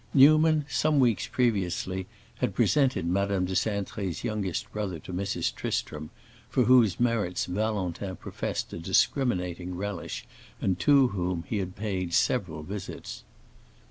Newman, some weeks previously, had presented Madame de Cintré's youngest brother to Mrs. Tristram, for whose merits Valentin professed a discriminating relish and to whom he had paid several visits.